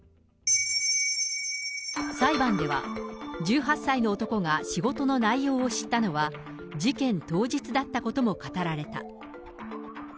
裁判では、１８歳の男が仕事の内容を知ったのは、事件当日だったことも語られた。